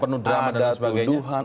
perkembangannya ada tuduhan